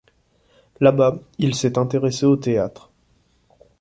Là-bas, il s'est intéressé au théâtre.